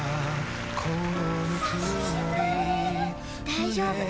大丈夫。